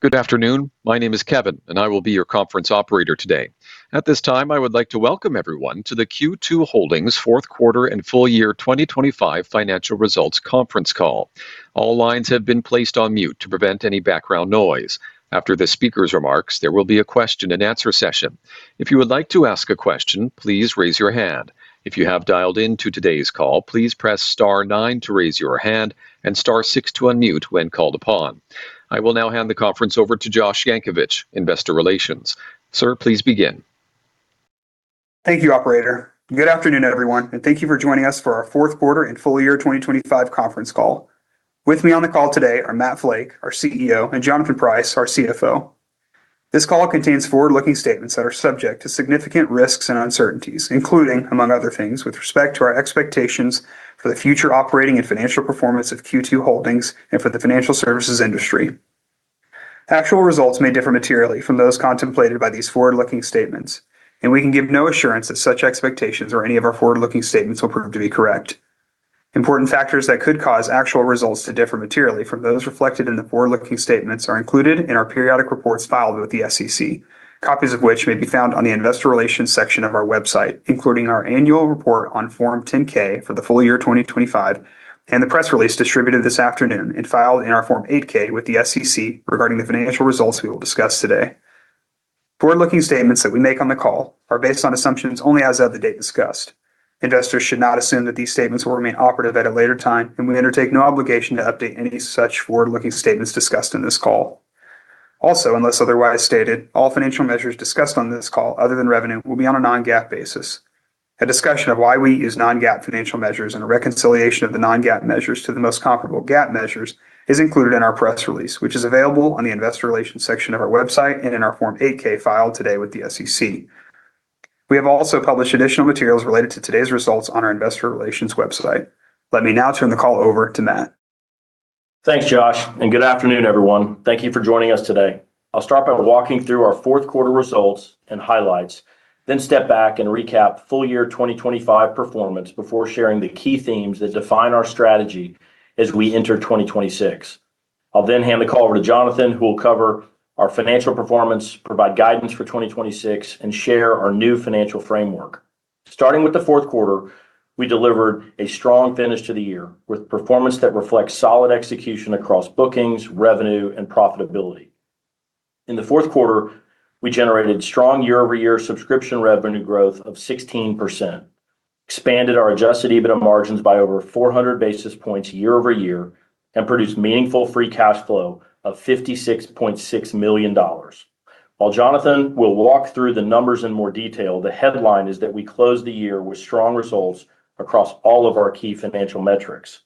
Good afternoon. My name is Kevin, and I will be your conference operator today. At this time, I would like to welcome everyone to the Q2 Holdings fourth quarter and full year 2025 financial results conference call. All lines have been placed on mute to prevent any background noise. After the speaker's remarks, there will be a question-and-answer session. If you would like to ask a question, please raise your hand. If you have dialed into today's call, please press star nine to raise your hand and star 6 to unmute when called upon. I will now hand the conference over to Josh Yankovich, Investor Relations. Sir, please begin. Thank you, operator. Good afternoon, everyone, and thank you for joining us for our fourth quarter and full year 2025 conference call. With me on the call today are Matt Flake, our CEO, and Jonathan Price, our CFO. This call contains forward-looking statements that are subject to significant risks and uncertainties, including, among other things, with respect to our expectations for the future operating and financial performance of Q2 Holdings and for the financial services industry. Actual results may differ materially from those contemplated by these forward-looking statements, and we can give no assurance that such expectations or any of our forward-looking statements will prove to be correct. Important factors that could cause actual results to differ materially from those reflected in the forward-looking statements are included in our periodic reports filed with the SEC, copies of which may be found on the investor relations section of our website, including our annual report on Form 10-K for the full year 2025 and the press release distributed this afternoon and filed in our Form 8-K with the SEC regarding the financial results we will discuss today. Forward-looking statements that we make on the call are based on assumptions only as of the date discussed. Investors should not assume that these statements will remain operative at a later time, and we undertake no obligation to update any such forward-looking statements discussed in this call. Also, unless otherwise stated, all financial measures discussed on this call other than revenue will be on a non-GAAP basis. A discussion of why we use Non-GAAP financial measures and a reconciliation of the Non-GAAP measures to the most comparable GAAP measures is included in our press release, which is available on the investor relations section of our website and in our Form 8-K filed today with the SEC. We have also published additional materials related to today's results on our Investor Relations website. Let me now turn the call over to Matt. Thanks, Josh, and good afternoon, everyone. Thank you for joining us today. I'll start by walking through our fourth quarter results and highlights, then step back and recap full year 2025 performance before sharing the key themes that define our strategy as we enter 2026. I'll then hand the call over to Jonathan, who will cover our financial performance, provide guidance for 2026, and share our new financial framework. Starting with the fourth quarter, we delivered a strong finish to the year with performance that reflects solid execution across bookings, revenue, and profitability. In the fourth quarter, we generated strong year-over-year subscription revenue growth of 16%, expanded our Adjusted EBITDA margins by over 400 basis points year-over-year, and produced meaningful free cash flow of $56.6 million. While Jonathan will walk through the numbers in more detail, the headline is that we closed the year with strong results across all of our key financial metrics.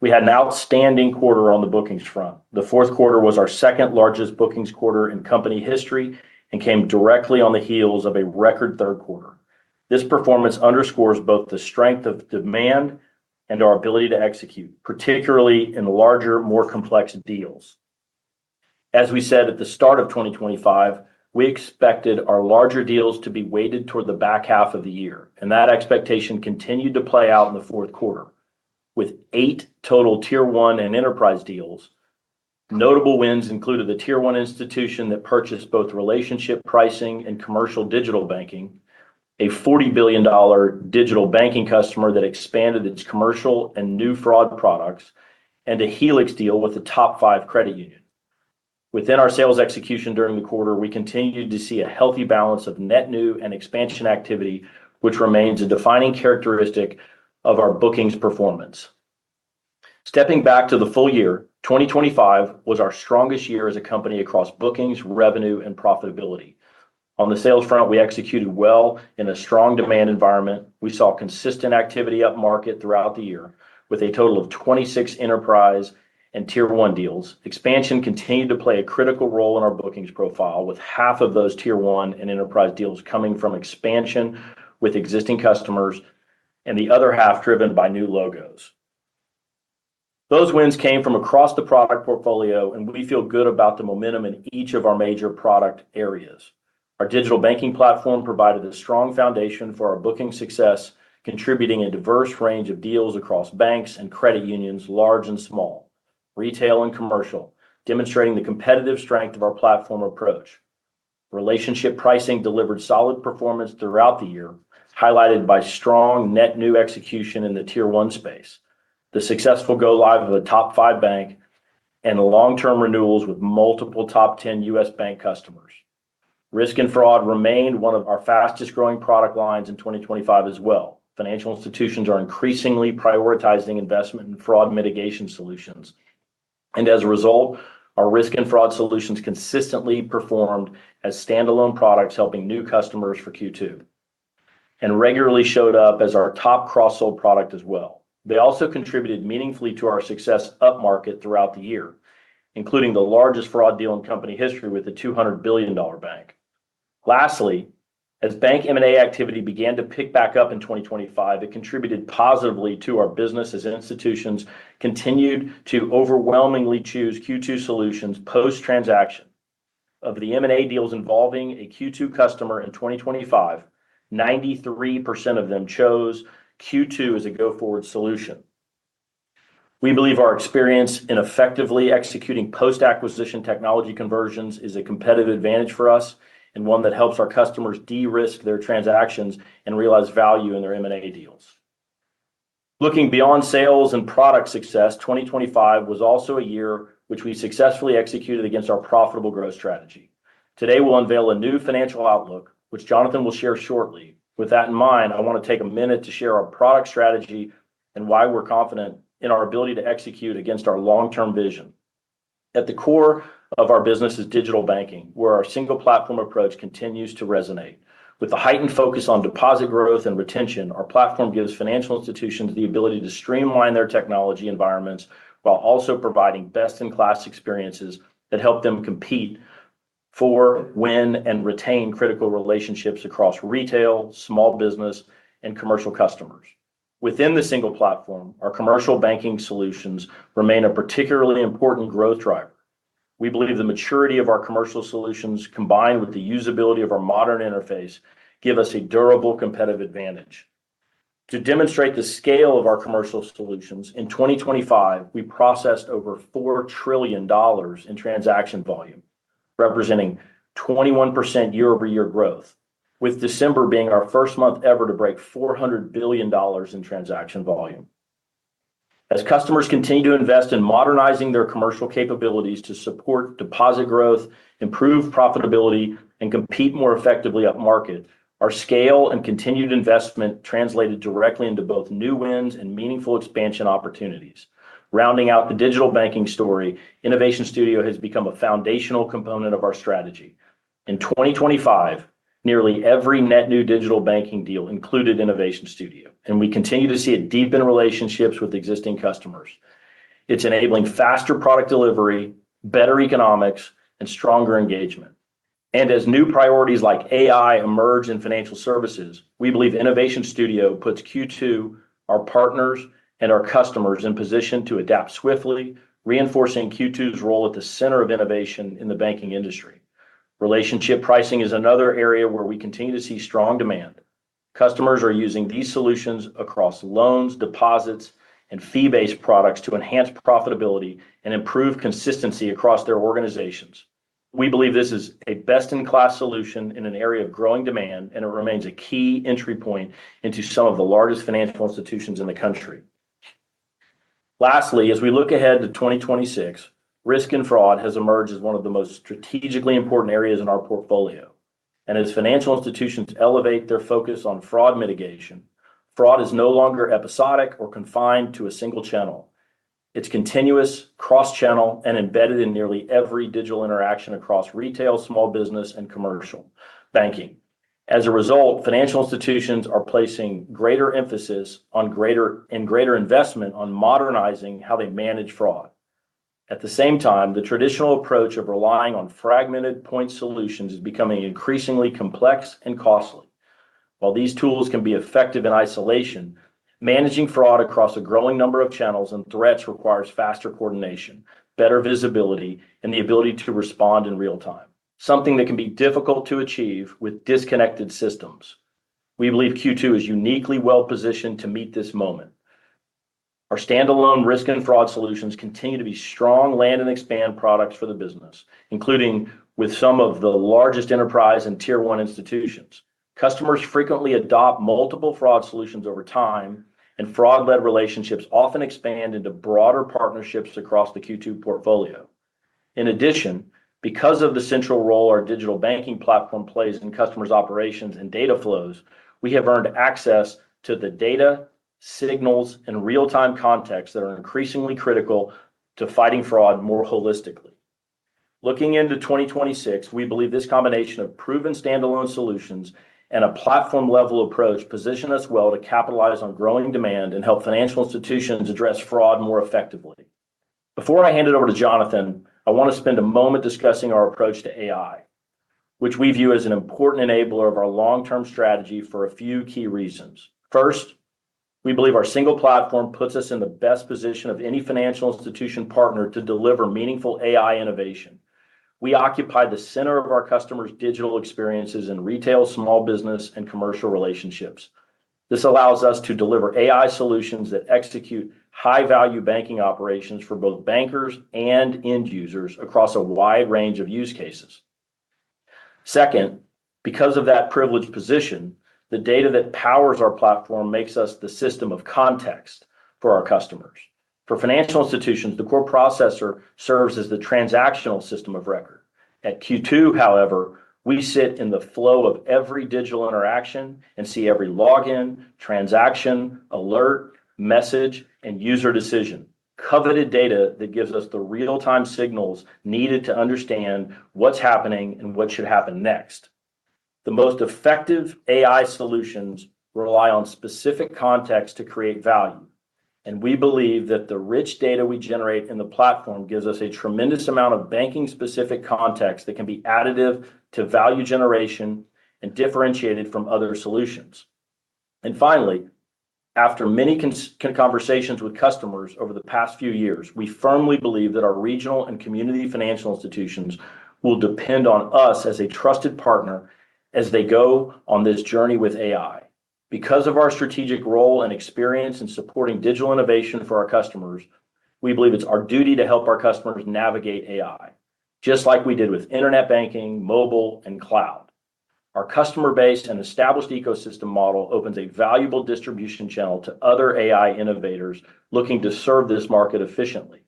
We had an outstanding quarter on the bookings front. The fourth quarter was our second-largest bookings quarter in company history and came directly on the heels of a record third quarter. This performance underscores both the strength of demand and our ability to execute, particularly in larger, more complex deals. As we said at the start of 2025, we expected our larger deals to be weighted toward the back half of the year, and that expectation continued to play out in the fourth quarter. With eight total Tier One and enterprise deals, notable wins included a Tier One institution that purchased both relationship pricing and commercial digital banking, a $40 billion digital banking customer that expanded its commercial and new fraud products, and a Helix deal with a top 5 credit union. Within our sales execution during the quarter, we continued to see a healthy balance of net new and expansion activity, which remains a defining characteristic of our bookings performance. Stepping back to the full year, 2025 was our strongest year as a company across bookings, revenue, and profitability. On the sales front, we executed well in a strong demand environment. We saw consistent activity up market throughout the year with a total of 26 enterprise and Tier One deals. Expansion continued to play a critical role in our bookings profile, with half of those Tier 1 and enterprise deals coming from expansion with existing customers and the other half driven by new logos. Those wins came from across the product portfolio, and we feel good about the momentum in each of our major product areas. Our Digital Banking Platform provided a strong foundation for our booking success, contributing a diverse range of deals across banks and credit unions, large and small, retail and commercial, demonstrating the competitive strength of our platform approach. Relationship pricing delivered solid performance throughout the year, highlighted by strong net new execution in the Tier 1 space, the successful go-live of a top five bank, and long-term renewals with multiple top 10 U.S. bank customers. Risk and fraud remained one of our fastest-growing product lines in 2025 as well. Financial institutions are increasingly prioritizing investment in fraud mitigation solutions, and as a result, our risk and fraud solutions consistently performed as standalone products helping new customers for Q2 and regularly showed up as our top cross-sold product as well. They also contributed meaningfully to our success up market throughout the year, including the largest fraud deal in company history with a $200 billion bank. Lastly, as bank M&A activity began to pick back up in 2025, it contributed positively to our business as institutions continued to overwhelmingly choose Q2 solutions post-transaction. Of the M&A deals involving a Q2 customer in 2025, 93% of them chose Q2 as a go-forward solution. We believe our experience in effectively executing post-acquisition technology conversions is a competitive advantage for us and one that helps our customers de-risk their transactions and realize value in their M&A deals. Looking beyond sales and product success, 2025 was also a year which we successfully executed against our profitable growth strategy. Today, we'll unveil a new financial outlook, which Jonathan will share shortly. With that in mind, I want to take a minute to share our product strategy and why we're confident in our ability to execute against our long-term vision. At the core of our business is digital banking, where our single-platform approach continues to resonate. With a heightened focus on deposit growth and retention, our platform gives financial institutions the ability to streamline their technology environments while also providing best-in-class experiences that help them compete for, win, and retain critical relationships across retail, small business, and commercial customers. Within the single platform, our commercial banking solutions remain a particularly important growth driver. We believe the maturity of our commercial solutions, combined with the usability of our modern interface, give us a durable competitive advantage. To demonstrate the scale of our commercial solutions, in 2025, we processed over $4 trillion in transaction volume, representing 21% year-over-year growth, with December being our first month ever to break $400 billion in transaction volume. As customers continue to invest in modernizing their commercial capabilities to support deposit growth, improve profitability, and compete more effectively up market, our scale and continued investment translated directly into both new wins and meaningful expansion opportunities. Rounding out the digital banking story, Innovation Studio has become a foundational component of our strategy. In 2025, nearly every net new digital banking deal included Innovation Studio, and we continue to see it deepen relationships with existing customers. It's enabling faster product delivery, better economics, and stronger engagement. As new priorities like AI emerge in financial services, we believe Innovation Studio puts Q2, our partners, and our customers in position to adapt swiftly, reinforcing Q2's role at the center of innovation in the banking industry. Relationship pricing is another area where we continue to see strong demand. Customers are using these solutions across loans, deposits, and fee-based products to enhance profitability and improve consistency across their organizations. We believe this is a best-in-class solution in an area of growing demand, and it remains a key entry point into some of the largest financial institutions in the country. Lastly, as we look ahead to 2026, risk and fraud has emerged as one of the most strategically important areas in our portfolio. As financial institutions elevate their focus on fraud mitigation, fraud is no longer episodic or confined to a single channel. It's continuous, cross-channel, and embedded in nearly every digital interaction across retail, small business, and commercial banking. As a result, financial institutions are placing greater emphasis and greater investment on modernizing how they manage fraud. At the same time, the traditional approach of relying on fragmented point solutions is becoming increasingly complex and costly. While these tools can be effective in isolation, managing fraud across a growing number of channels and threats requires faster coordination, better visibility, and the ability to respond in real time, something that can be difficult to achieve with disconnected systems. We believe Q2 is uniquely well-positioned to meet this moment. Our standalone risk and fraud solutions continue to be strong land-and-expand products for the business, including with some of the largest enterprise and Tier One institutions. Customers frequently adopt multiple fraud solutions over time, and fraud-led relationships often expand into broader partnerships across the Q2 portfolio. In addition, because of the central role our Digital Banking Platform plays in customers' operations and data flows, we have earned access to the data, signals, and real-time contexts that are increasingly critical to fighting fraud more holistically. Looking into 2026, we believe this combination of proven standalone solutions and a platform-level approach position us well to capitalize on growing demand and help financial institutions address fraud more effectively. Before I hand it over to Jonathan, I want to spend a moment discussing our approach to AI, which we view as an important enabler of our long-term strategy for a few key reasons. First, we believe our single platform puts us in the best position of any financial institution partner to deliver meaningful AI innovation. We occupy the center of our customers' digital experiences in retail, small business, and commercial relationships. This allows us to deliver AI solutions that execute high-value banking operations for both bankers and end users across a wide range of use cases. Second, because of that privileged position, the data that powers our platform makes us the system of context for our customers. For financial institutions, the core processor serves as the transactional system of record. At Q2, however, we sit in the flow of every digital interaction and see every login, transaction, alert, message, and user decision, coveted data that gives us the real-time signals needed to understand what's happening and what should happen next. The most effective AI solutions rely on specific context to create value, and we believe that the rich data we generate in the platform gives us a tremendous amount of banking-specific context that can be additive to value generation and differentiated from other solutions. Finally, after many conversations with customers over the past few years, we firmly believe that our regional and community financial institutions will depend on us as a trusted partner as they go on this journey with AI. Because of our strategic role and experience in supporting digital innovation for our customers, we believe it's our duty to help our customers navigate AI, just like we did with internet banking, mobile, and cloud. Our customer-based and established ecosystem model opens a valuable distribution channel to other AI innovators looking to serve this market efficiently.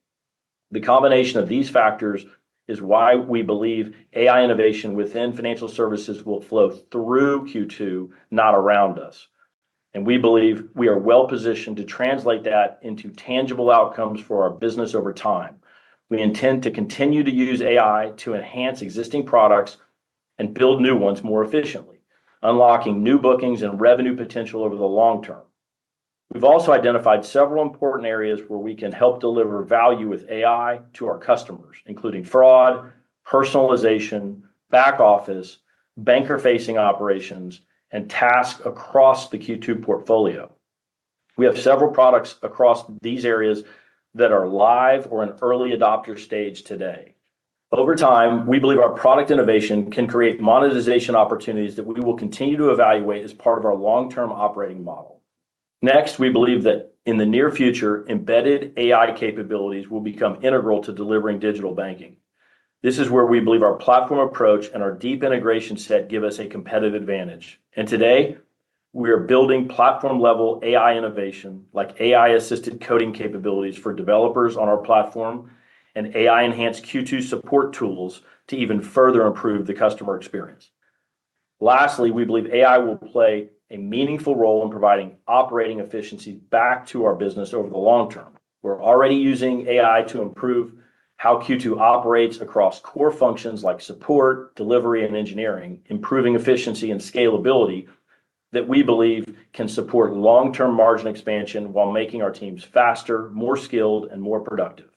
The combination of these factors is why we believe AI innovation within financial services will flow through Q2, not around us. We believe we are well-positioned to translate that into tangible outcomes for our business over time. We intend to continue to use AI to enhance existing products and build new ones more efficiently, unlocking new bookings and revenue potential over the long term. We've also identified several important areas where we can help deliver value with AI to our customers, including fraud, personalization, back office, banker-facing operations, and tasks across the Q2 portfolio. We have several products across these areas that are live or in early adopter stage today. Over time, we believe our product innovation can create monetization opportunities that we will continue to evaluate as part of our long-term operating model. Next, we believe that in the near future, embedded AI capabilities will become integral to delivering digital banking. This is where we believe our platform approach and our deep integration set give us a competitive advantage. And today, we are building platform-level AI innovation like AI-assisted coding capabilities for developers on our platform and AI-enhanced Q2 support tools to even further improve the customer experience. Lastly, we believe AI will play a meaningful role in providing operating efficiency back to our business over the long term. We're already using AI to improve how Q2 operates across core functions like support, delivery, and engineering, improving efficiency and scalability that we believe can support long-term margin expansion while making our teams faster, more skilled, and more productive.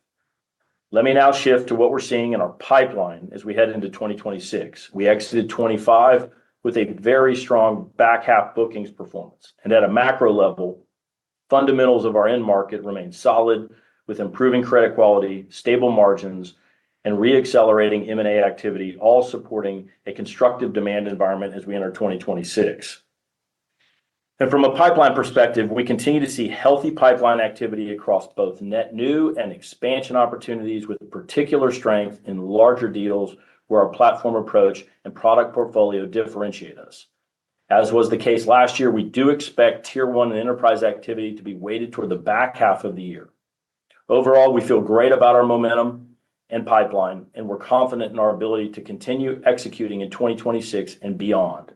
Let me now shift to what we're seeing in our pipeline as we head into 2026. We exited 2025 with a very strong back half bookings performance. At a macro level, fundamentals of our end market remain solid with improving credit quality, stable margins, and re-accelerating M&A activity, all supporting a constructive demand environment as we enter 2026. From a pipeline perspective, we continue to see healthy pipeline activity across both net new and expansion opportunities, with particular strength in larger deals where our platform approach and product portfolio differentiate us. As was the case last year, we do expect Tier 1 and enterprise activity to be weighted toward the back half of the year. Overall, we feel great about our momentum and pipeline, and we're confident in our ability to continue executing in 2026 and beyond.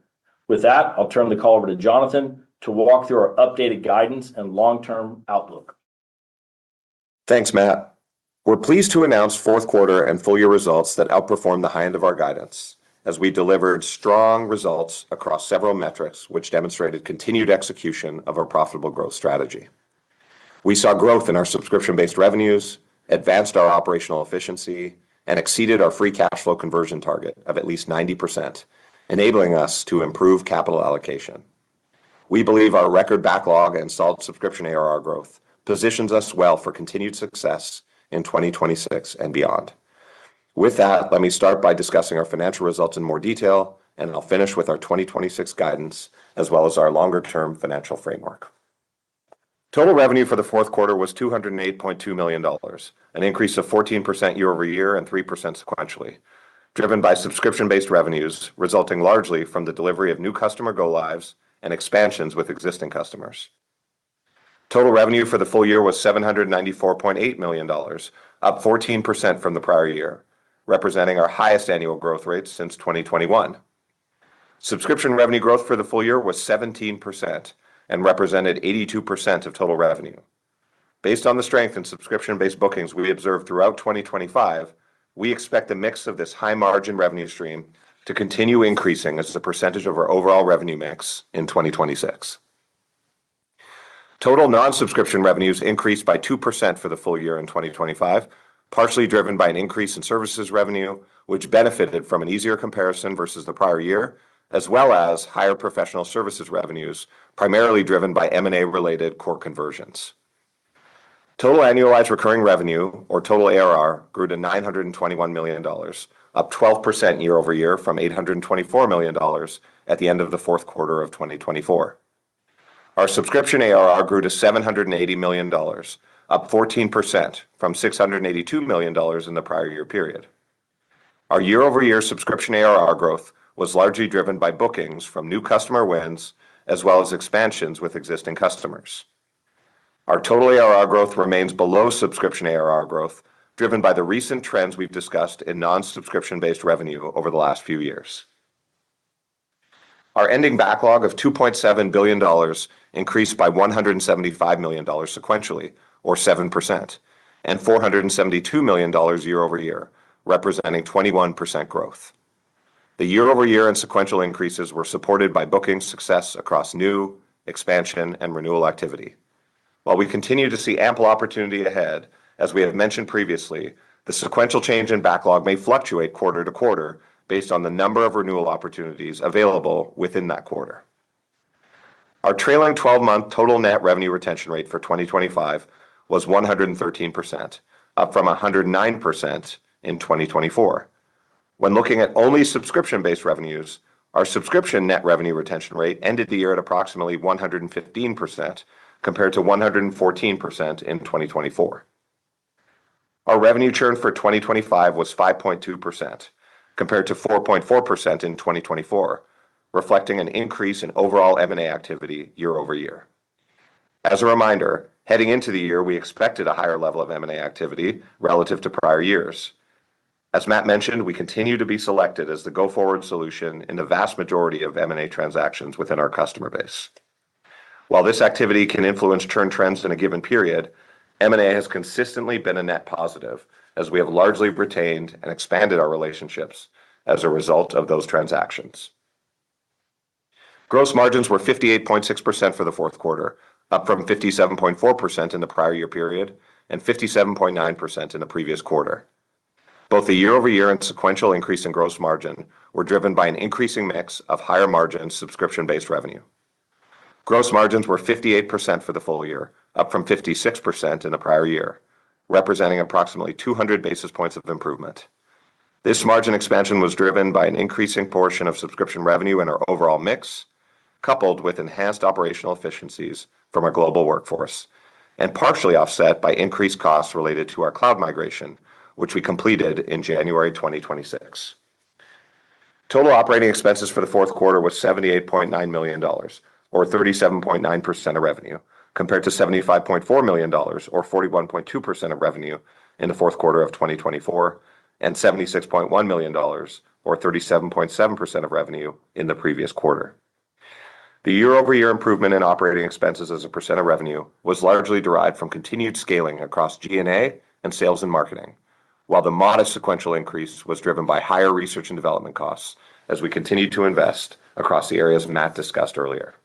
With that, I'll turn the call over to Jonathan to walk through our updated guidance and long-term outlook. Thanks, Matt. We're pleased to announce fourth quarter and full year results that outperformed the high end of our guidance as we delivered strong results across several metrics which demonstrated continued execution of our profitable growth strategy. We saw growth in our subscription-based revenues, advanced our operational efficiency, and exceeded our free cash flow conversion target of at least 90%, enabling us to improve capital allocation. We believe our record backlog and solid subscription ARR growth positions us well for continued success in 2026 and beyond. With that, let me start by discussing our financial results in more detail, and I'll finish with our 2026 guidance as well as our longer-term financial framework. Total revenue for the fourth quarter was $208.2 million, an increase of 14% year-over-year and 3% sequentially, driven by subscription-based revenues resulting largely from the delivery of new customer go-lives and expansions with existing customers. Total revenue for the full year was $794.8 million, up 14% from the prior year, representing our highest annual growth rate since 2021. Subscription revenue growth for the full year was 17% and represented 82% of total revenue. Based on the strength in subscription-based bookings we observed throughout 2025, we expect a mix of this high-margin revenue stream to continue increasing as the percentage of our overall revenue mix in 2026. Total non-subscription revenues increased by 2% for the full year in 2025, partially driven by an increase in services revenue, which benefited from an easier comparison versus the prior year, as well as higher professional services revenues primarily driven by M&A-related core conversions. Total annualized recurring revenue, or total ARR, grew to $921 million, up 12% year-over-year from $824 million at the end of the fourth quarter of 2024. Our subscription ARR grew to $780 million, up 14% from $682 million in the prior year period. Our year-over-year subscription ARR growth was largely driven by bookings from new customer wins as well as expansions with existing customers. Our total ARR growth remains below subscription ARR growth, driven by the recent trends we've discussed in non-subscription-based revenue over the last few years. Our ending backlog of $2.7 billion increased by $175 million sequentially, or 7%, and $472 million year-over-year, representing 21% growth. The year-over-year and sequential increases were supported by bookings success across new, expansion, and renewal activity. While we continue to see ample opportunity ahead, as we have mentioned previously, the sequential change in backlog may fluctuate quarter-to-quarter based on the number of renewal opportunities available within that quarter. Our trailing 12-month total net revenue retention rate for 2025 was 113%, up from 109% in 2024. When looking at only subscription-based revenues, our subscription net revenue retention rate ended the year at approximately 115% compared to 114% in 2024. Our revenue churn for 2025 was 5.2% compared to 4.4% in 2024, reflecting an increase in overall M&A activity year-over-year. As a reminder, heading into the year, we expected a higher level of M&A activity relative to prior years. As Matt mentioned, we continue to be selected as the go-forward solution in the vast majority of M&A transactions within our customer base. While this activity can influence churn trends in a given period, M&A has consistently been a net positive as we have largely retained and expanded our relationships as a result of those transactions. Gross margins were 58.6% for the fourth quarter, up from 57.4% in the prior year period and 57.9% in the previous quarter. Both the year-over-year and sequential increase in gross margin were driven by an increasing mix of higher-margin subscription-based revenue. Gross margins were 58% for the full year, up from 56% in the prior year, representing approximately 200 basis points of improvement. This margin expansion was driven by an increasing portion of subscription revenue in our overall mix, coupled with enhanced operational efficiencies from our global workforce, and partially offset by increased costs related to our cloud migration, which we completed in January 2026. Total operating expenses for the fourth quarter were $78.9 million, or 37.9% of revenue, compared to $75.4 million, or 41.2% of revenue in the fourth quarter of 2024, and $76.1 million, or 37.7% of revenue in the previous quarter. The year-over-year improvement in operating expenses as a percent of revenue was largely derived from continued scaling across G&A and sales and marketing, while the modest sequential increase was driven by higher research and development costs as we continued to invest across the areas Matt discussed earlier.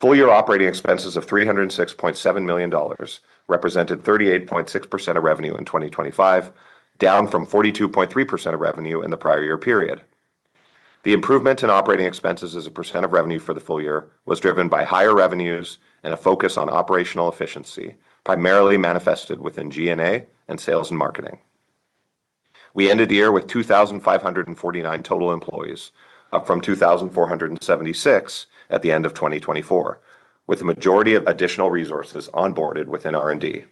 Full year operating expenses of $306.7 million represented 38.6% of revenue in 2025, down from 42.3% of revenue in the prior year period. The improvement in operating expenses as a percent of revenue for the full year was driven by higher revenues and a focus on operational efficiency, primarily manifested within G&A and sales and marketing. We ended the year with 2,549 total employees, up from 2,476 at the end of 2024, with the majority of additional resources onboarded within R&D.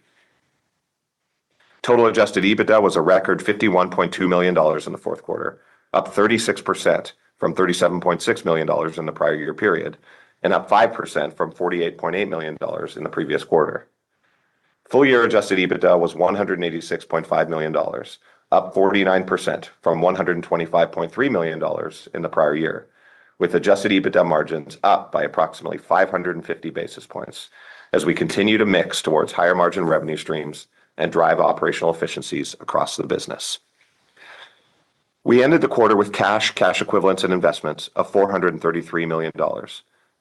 Total adjusted EBITDA was a record $51.2 million in the fourth quarter, up 36% from $37.6 million in the prior year period and up 5% from $48.8 million in the previous quarter. Full year adjusted EBITDA was $186.5 million, up 49% from $125.3 million in the prior year, with adjusted EBITDA margins up by approximately 550 basis points as we continue to mix towards higher-margin revenue streams and drive operational efficiencies across the business. We ended the quarter with cash, cash equivalents, and investments of $433 million,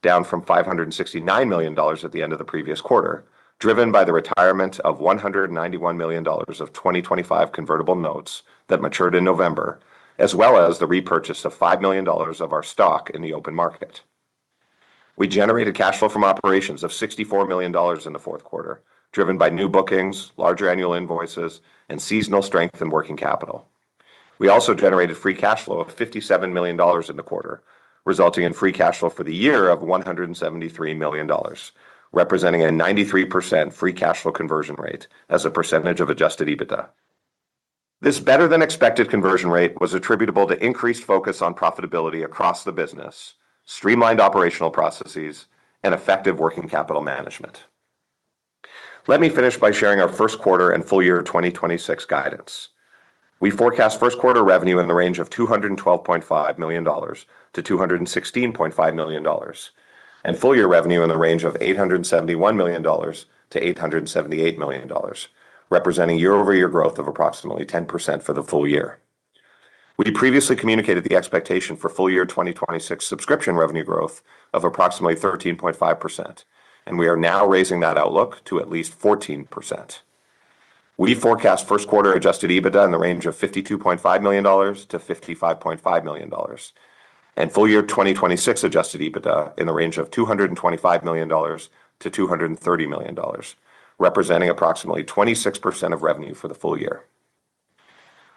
down from $569 million at the end of the previous quarter, driven by the retirement of $191 million of 2025 convertible notes that matured in November, as well as the repurchase of $5 million of our stock in the open market. We generated cash flow from operations of $64 million in the fourth quarter, driven by new bookings, larger annual invoices, and seasonal strength in working capital. We also generated Free Cash Flow of $57 million in the quarter, resulting in Free Cash Flow for the year of $173 million, representing a 93% Free Cash Flow conversion rate as a percentage of Adjusted EBITDA. This better-than-expected conversion rate was attributable to increased focus on profitability across the business, streamlined operational processes, and effective working capital management. Let me finish by sharing our first quarter and full year 2026 guidance. We forecast first quarter revenue in the range of $212.5 million-$216.5 million and full year revenue in the range of $871 million-$878 million, representing year-over-year growth of approximately 10% for the full year. We previously communicated the expectation for full year 2026 subscription revenue growth of approximately 13.5%, and we are now raising that outlook to at least 14%. We forecast first quarter adjusted EBITDA in the range of $52.5 million-$55.5 million and full year 2026 adjusted EBITDA in the range of $225 million-$230 million, representing approximately 26% of revenue for the full year.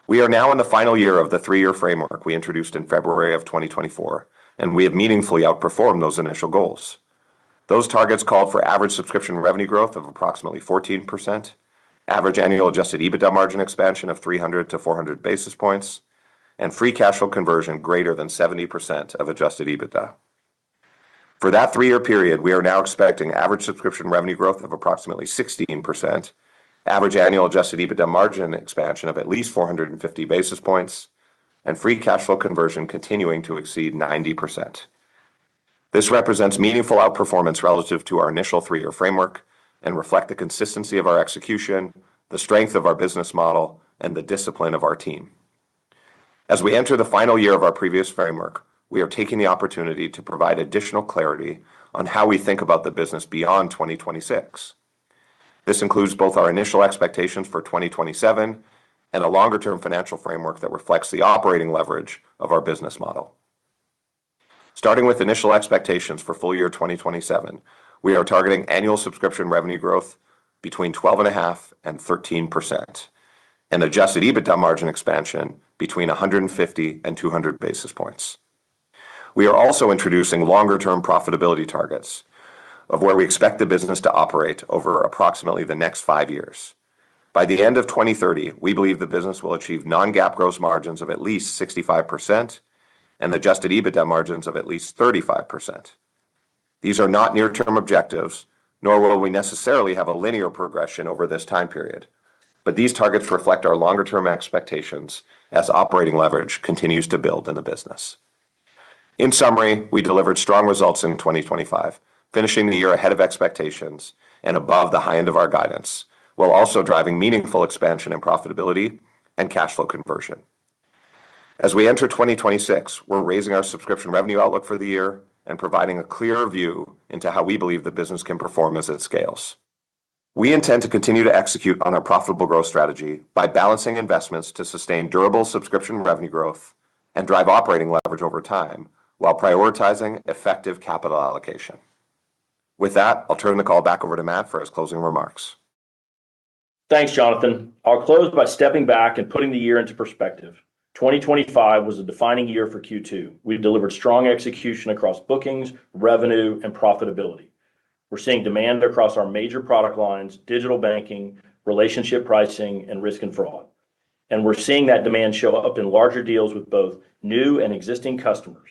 We are now in the final year of the three-year framework we introduced in February of 2024, and we have meaningfully outperformed those initial goals. Those targets called for average subscription revenue growth of approximately 14%, average annual adjusted EBITDA margin expansion of 300-400 basis points, and free cash flow conversion greater than 70% of adjusted EBITDA. For that three-year period, we are now expecting average subscription revenue growth of approximately 16%, average annual Adjusted EBITDA margin expansion of at least 450 basis points, and free cash flow conversion continuing to exceed 90%. This represents meaningful outperformance relative to our initial three-year framework and reflects the consistency of our execution, the strength of our business model, and the discipline of our team. As we enter the final year of our previous framework, we are taking the opportunity to provide additional clarity on how we think about the business beyond 2026. This includes both our initial expectations for 2027 and a longer-term financial framework that reflects the operating leverage of our business model. Starting with initial expectations for full year 2027, we are targeting annual subscription revenue growth between 12.5%-13% and Adjusted EBITDA margin expansion between 150 and 200 basis points. We are also introducing longer-term profitability targets of where we expect the business to operate over approximately the next five years. By the end of 2030, we believe the business will achieve non-GAAP gross margins of at least 65% and Adjusted EBITDA margins of at least 35%. These are not near-term objectives, nor will we necessarily have a linear progression over this time period, but these targets reflect our longer-term expectations as operating leverage continues to build in the business. In summary, we delivered strong results in 2025, finishing the year ahead of expectations and above the high end of our guidance, while also driving meaningful expansion in profitability and cash flow conversion. As we enter 2026, we're raising our subscription revenue outlook for the year and providing a clearer view into how we believe the business can perform as it scales. We intend to continue to execute on our profitable growth strategy by balancing investments to sustain durable subscription revenue growth and drive operating leverage over time while prioritizing effective capital allocation. With that, I'll turn the call back over to Matt for his closing remarks. Thanks, Jonathan. I'll close by stepping back and putting the year into perspective. 2025 was a defining year for Q2. We've delivered strong execution across bookings, revenue, and profitability. We're seeing demand across our major product lines, digital banking, relationship pricing, and risk and fraud, and we're seeing that demand show up in larger deals with both new and existing customers.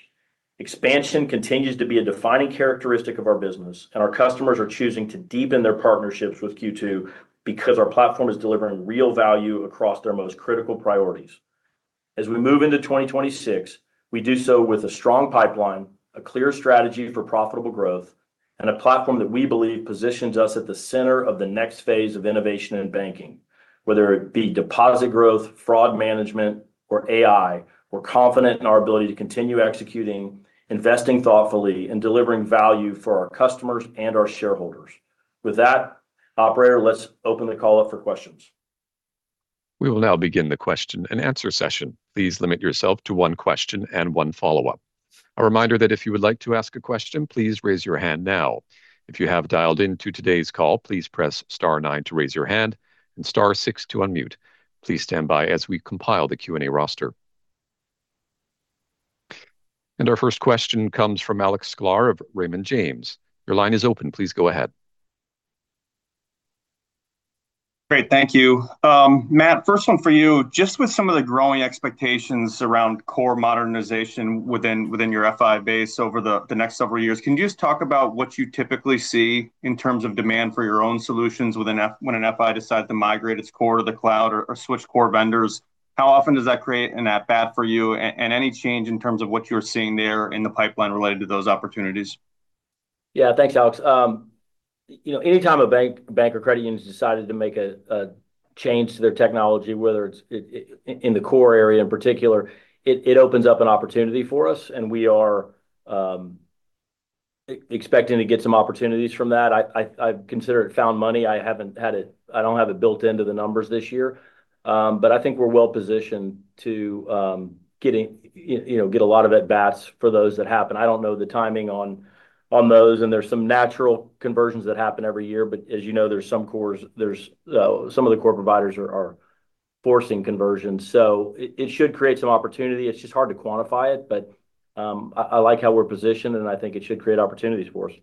Expansion continues to be a defining characteristic of our business, and our customers are choosing to deepen their partnerships with Q2 because our platform is delivering real value across their most critical priorities. As we move into 2026, we do so with a strong pipeline, a clear strategy for profitable growth, and a platform that we believe positions us at the center of the next phase of innovation and banking, whether it be deposit growth, fraud management, or AI, we're confident in our ability to continue executing, investing thoughtfully, and delivering value for our customers and our shareholders. With that, operator, let's open the call up for questions. We will now begin the question and answer session. Please limit yourself to one question and one follow-up. A reminder that if you would like to ask a question, please raise your hand now. If you have dialed into today's call, please press star nine to raise your hand and star 6 to unmute. Please stand by as we compile the Q&A roster. Our first question comes from Alex Sklar of Raymond James. Your line is open. Please go ahead. Great. Thank you. Matt, first one for you. Just with some of the growing expectations around core modernization within your FI base over the next several years, can you just talk about what you typically see in terms of demand for your own solutions when an FI decides to migrate its core to the cloud or switch core vendors? How often does that create an opportunity for you and any change in terms of what you're seeing there in the pipeline related to those opportunities? Yeah. Thanks, Alex. Anytime a bank or credit union has decided to make a change to their technology, whether it's in the core area in particular, it opens up an opportunity for us, and we are expecting to get some opportunities from that. I consider it found money. I haven't had it I don't have it built into the numbers this year, but I think we're well positioned to get a lot of at-bats for those that happen. I don't know the timing on those, and there's some natural conversions that happen every year. But as you know, there's some cores some of the core providers are forcing conversions, so it should create some opportunity. It's just hard to quantify it, but I like how we're positioned, and I think it should create opportunities for us.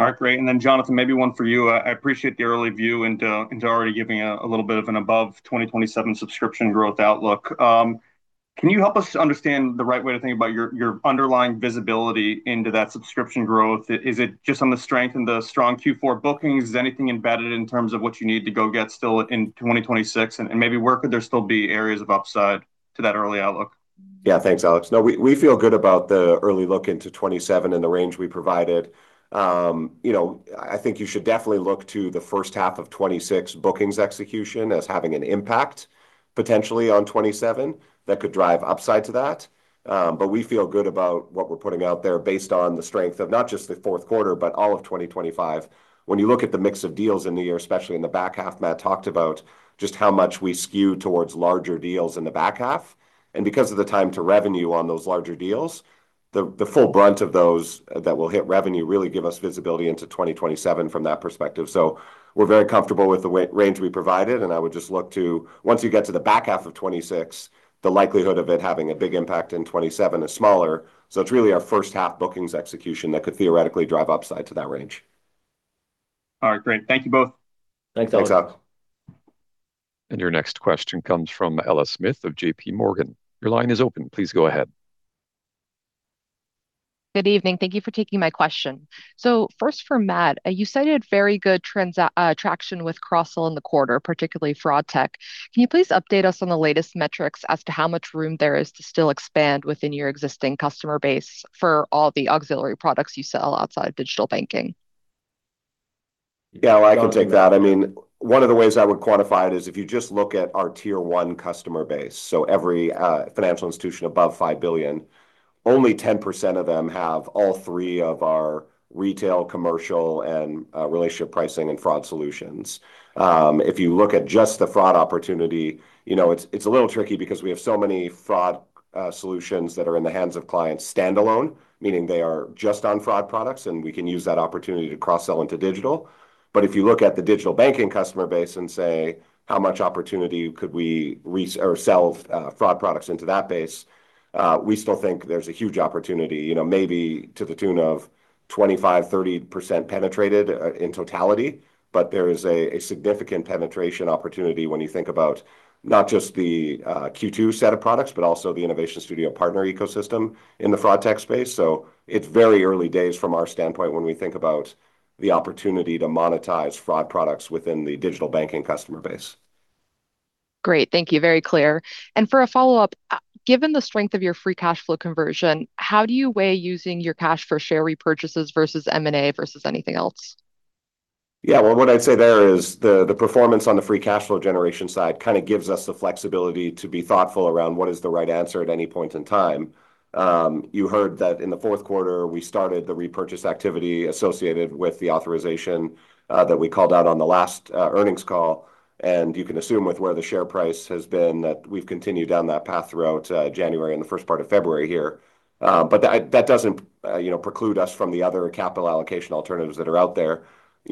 All right. Great. And then, Jonathan, maybe one for you. I appreciate the early view into already giving a little bit of an above-2027 subscription growth outlook. Can you help us understand the right way to think about your underlying visibility into that subscription growth? Is it just on the strength and the strong Q4 bookings? Is anything embedded in terms of what you need to go get still in 2026? And maybe where could there still be areas of upside to that early outlook? Yeah. Thanks, Alex. No, we feel good about the early look into 2027 and the range we provided. I think you should definitely look to the first half of 2026 bookings execution as having an impact potentially on 2027 that could drive upside to that. But we feel good about what we're putting out there based on the strength of not just the fourth quarter, but all of 2025. When you look at the mix of deals in the year, especially in the back half, Matt talked about just how much we skew towards larger deals in the back half. And because of the time to revenue on those larger deals, the full brunt of those that will hit revenue really give us visibility into 2027 from that perspective. So we're very comfortable with the range we provided, and I would just look to, once you get to the back half of 2026, the likelihood of it having a big impact in 2027 is smaller. So it's really our first half bookings execution that could theoretically drive upside to that range. All right. Great. Thank you both. Thanks, Alex. Thanks, Alex. Your next question comes from Ella Smith of JPMorgan. Your line is open. Please go ahead. Good evening. Thank you for taking my question. First for Matt, you cited very good traction with cross-sell in the quarter, particularly FraudTech. Can you please update us on the latest metrics as to how much room there is to still expand within your existing customer base for all the auxiliary products you sell outside digital banking? Yeah. Well, I can take that. I mean, one of the ways I would quantify it is if you just look at our Tier 1 customer base, so every financial institution above $5 billion, only 10% of them have all three of our retail, commercial, and relationship pricing and fraud solutions. If you look at just the fraud opportunity, it's a little tricky because we have so many fraud solutions that are in the hands of clients standalone, meaning they are just on fraud products, and we can use that opportunity to cross-sell into digital. But if you look at the digital banking customer base and say, "How much opportunity could we sell fraud products into that base?" we still think there's a huge opportunity, maybe to the tune of 25%-30% penetrated in totality, but there is a significant penetration opportunity when you think about not just the Q2 set of products, but also the Innovation Studio partner ecosystem in the FraudTech space. So it's very early days from our standpoint when we think about the opportunity to monetize fraud products within the digital banking customer base. Great. Thank you. Very clear. And for a follow-up, given the strength of your Free Cash Flow conversion, how do you weigh using your cash for share repurchases versus M&A versus anything else? Yeah. Well, what I'd say there is the performance on the free cash flow generation side kind of gives us the flexibility to be thoughtful around what is the right answer at any point in time. You heard that in the fourth quarter, we started the repurchase activity associated with the authorization that we called out on the last earnings call. And you can assume with where the share price has been that we've continued down that path throughout January and the first part of February here. But that doesn't preclude us from the other capital allocation alternatives that are out there.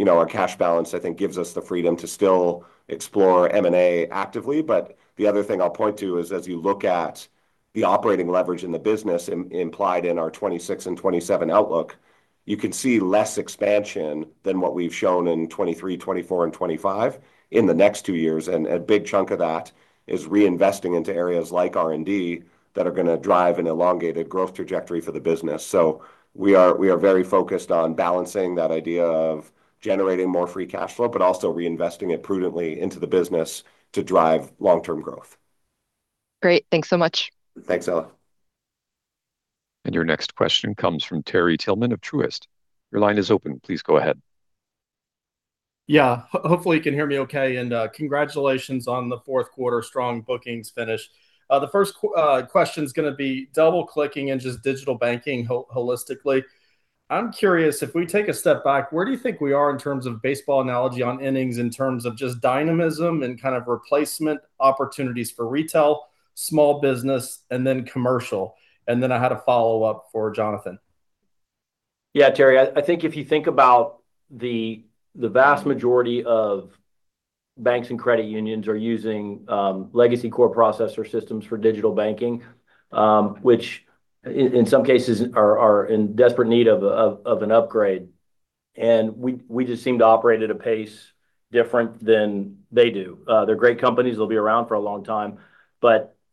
Our cash balance, I think, gives us the freedom to still explore M&A actively. But the other thing I'll point to is as you look at the operating leverage in the business implied in our 2026 and 2027 outlook, you can see less expansion than what we've shown in 2023, 2024, and 2025 in the next two years. And a big chunk of that is reinvesting into areas like R&D that are going to drive an elongated growth trajectory for the business. So we are very focused on balancing that idea of generating more Free Cash Flow, but also reinvesting it prudently into the business to drive long-term growth. Great. Thanks so much. Thanks, Ella. Your next question comes from Terry Tillman of Truist. Your line is open. Please go ahead. Yeah. Hopefully, you can hear me okay. And congratulations on the fourth quarter strong bookings finish. The first question's going to be double-clicking in just digital banking holistically. I'm curious, if we take a step back, where do you think we are in terms of baseball analogy on innings in terms of just dynamism and kind of replacement opportunities for retail, small business, and then commercial? And then I had a follow-up for Jonathan. Yeah, Terry. I think if you think about the vast majority of banks and credit unions are using legacy core processor systems for digital banking, which in some cases are in desperate need of an upgrade. We just seem to operate at a pace different than they do. They're great companies. They'll be around for a long time.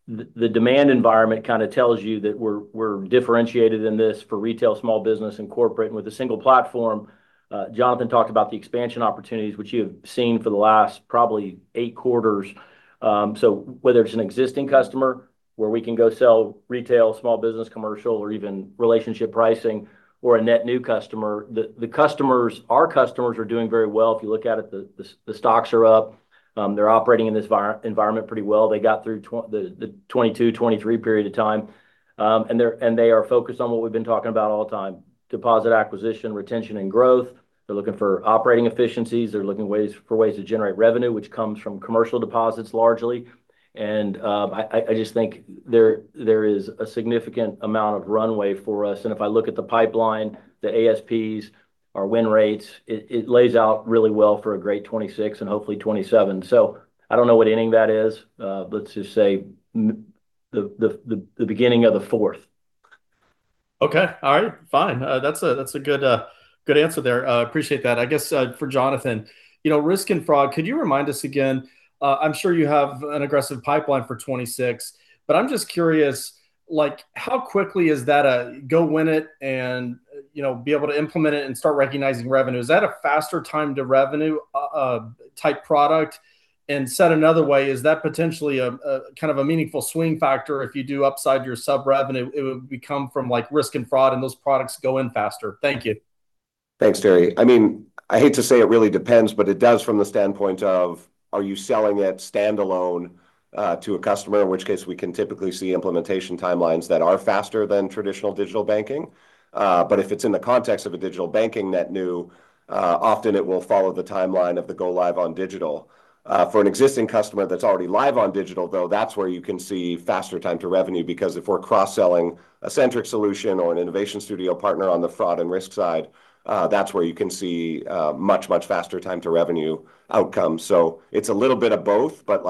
The demand environment kind of tells you that we're differentiated in this for retail, small business, and corporate. With a single platform, Jonathan talked about the expansion opportunities, which you have seen for the last probably eight quarters. Whether it's an existing customer where we can go sell retail, small business, commercial, or even relationship pricing, or a net new customer, the customers, our customers are doing very well. If you look at it, the stocks are up. They're operating in this environment pretty well. They got through the 2022, 2023 period of time. They are focused on what we've been talking about all the time, deposit acquisition, retention, and growth. They're looking for operating efficiencies. They're looking for ways to generate revenue, which comes from commercial deposits largely. I just think there is a significant amount of runway for us. If I look at the pipeline, the ASPs, our win rates, it lays out really well for a great 2026 and hopefully 2027. I don't know what inning that is. Let's just say the beginning of the fourth. Okay. All right. Fine. That's a good answer there. I appreciate that. I guess for Jonathan, risk and fraud, could you remind us again? I'm sure you have an aggressive pipeline for 2026, but I'm just curious, how quickly is that a go win it and be able to implement it and start recognizing revenue? Is that a faster time-to-revenue type product? And said another way, is that potentially kind of a meaningful swing factor if you do upside your sub-revenue? It would become from risk and fraud, and those products go in faster. Thank you. Thanks, Terry. I mean, I hate to say it really depends, but it does from the standpoint of are you selling it standalone to a customer, in which case we can typically see implementation timelines that are faster than traditional digital banking. But if it's in the context of a digital banking net new, often it will follow the timeline of the go live on digital. For an existing customer that's already live on digital, though, that's where you can see faster time-to-revenue because if we're cross-selling a Centric solution or an Innovation Studio partner on the fraud and risk side, that's where you can see much, much faster time-to-revenue outcomes. It's a little bit of both, but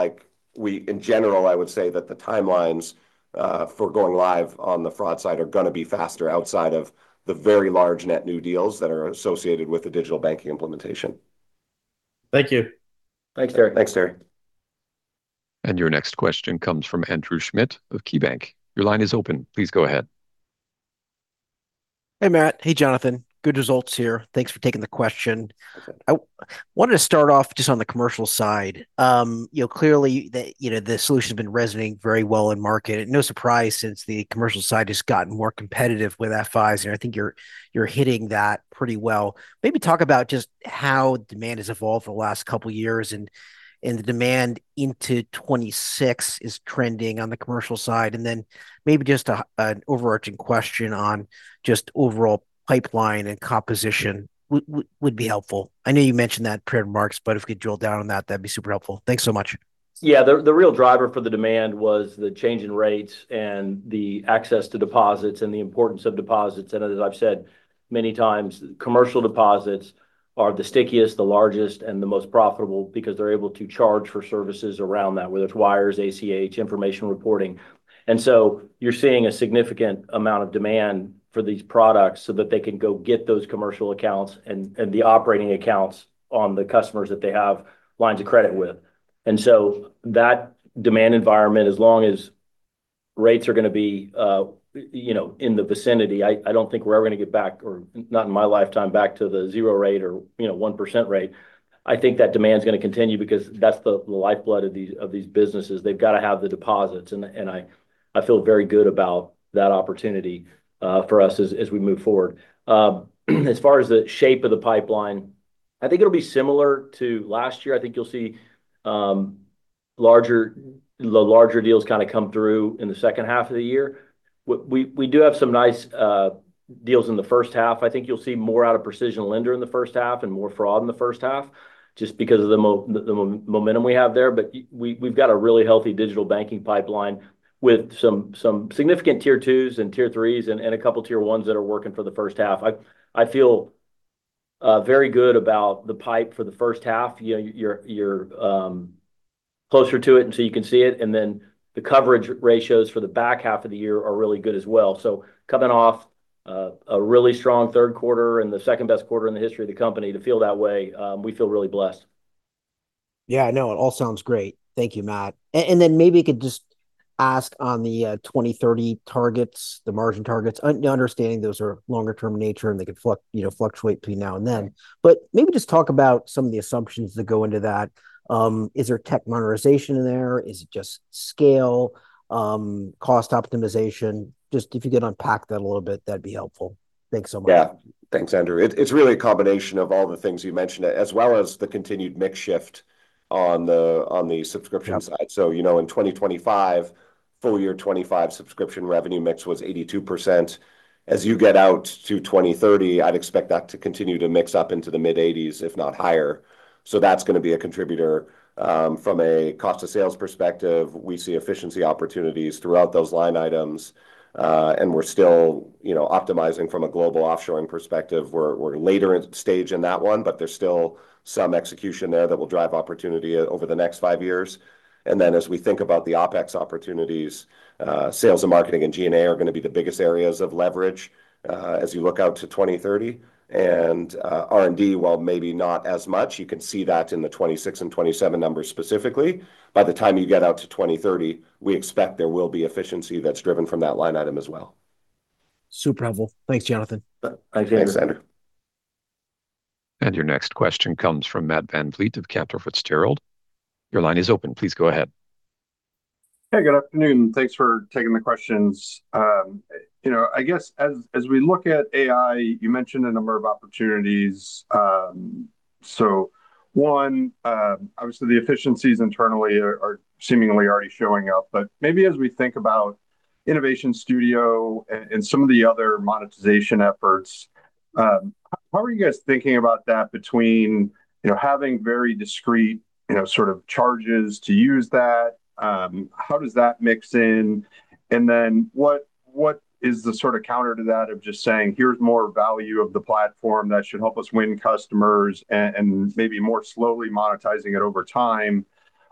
in general, I would say that the timelines for going live on the fraud side are going to be faster outside of the very large net new deals that are associated with the digital banking implementation. Thank you. Thanks, Terry. Thanks, Terry. Your next question comes from Andrew Schmidt of KeyBanc. Your line is open. Please go ahead. Hey, Matt. Hey, Jonathan. Good results here. Thanks for taking the question. I wanted to start off just on the commercial side. Clearly, the solution has been resonating very well in market. No surprise since the commercial side has gotten more competitive with FIs. And I think you're hitting that pretty well. Maybe talk about just how demand has evolved for the last couple of years and the demand into 2026 is trending on the commercial side. And then maybe just an overarching question on just overall pipeline and composition would be helpful. I know you mentioned that, prepared remarks, but if we could drill down on that, that'd be super helpful. Thanks so much. Yeah. The real driver for the demand was the change in rates and the access to deposits and the importance of deposits. And as I've said many times, commercial deposits are the stickiest, the largest, and the most profitable because they're able to charge for services around that, whether it's wires, ACH, information reporting. And so you're seeing a significant amount of demand for these products so that they can go get those commercial accounts and the operating accounts on the customers that they have lines of credit with. And so that demand environment, as long as rates are going to be in the vicinity, I don't think we're ever going to get back, or not in my lifetime, back to the zero rate or 1% rate. I think that demand's going to continue because that's the lifeblood of these businesses. They've got to have the deposits. I feel very good about that opportunity for us as we move forward. As far as the shape of the pipeline, I think it'll be similar to last year. I think you'll see larger deals kind of come through in the second half of the year. We do have some nice deals in the first half. I think you'll see more out of PrecisionLender in the first half and more fraud in the first half just because of the momentum we have there. But we've got a really healthy digital banking pipeline with some significant Tier 2s and Tier 3s and a couple of tier ones that are working for the first half. I feel very good about the pipe for the first half. You're closer to it, and so you can see it. Then the coverage ratios for the back half of the year are really good as well. Coming off a really strong third quarter and the second-best quarter in the history of the company to feel that way, we feel really blessed. Yeah. No, it all sounds great. Thank you, Matt. And then maybe you could just ask on the 2030 targets, the margin targets, understanding those are longer-term in nature and they could fluctuate between now and then. But maybe just talk about some of the assumptions that go into that. Is there tech monetization in there? Is it just scale, cost optimization? Just if you could unpack that a little bit, that'd be helpful. Thanks so much. Yeah. Thanks, Andrew. It's really a combination of all the things you mentioned, as well as the continued mix shift on the subscription side. So in 2025, full year 2025 subscription revenue mix was 82%. As you get out to 2030, I'd expect that to continue to mix up into the mid-'80s, if not higher. So that's going to be a contributor. From a cost of sales perspective, we see efficiency opportunities throughout those line items. And we're still optimizing from a global offshoring perspective. We're later stage in that one, but there's still some execution there that will drive opportunity over the next five years. And then as we think about the OpEx opportunities, sales and marketing and G&A are going to be the biggest areas of leverage as you look out to 2030. R&D, while maybe not as much, you can see that in the 2026 and 2027 numbers specifically. By the time you get out to 2030, we expect there will be efficiency that's driven from that line item as well. Super helpful. Thanks, Jonathan. Thanks, Andrew. Your next question comes from Matt VanVliet of Cantor Fitzgerald. Your line is open. Please go ahead. Hey, good afternoon. Thanks for taking the questions. I guess as we look at AI, you mentioned a number of opportunities. So one, obviously, the efficiencies internally are seemingly already showing up. But maybe as we think about Innovation Studio and some of the other monetization efforts, how are you guys thinking about that between having very discrete sort of charges to use that? How does that mix in? And then what is the sort of counter to that of just saying, "Here's more value of the platform that should help us win customers," and maybe more slowly monetizing it over time,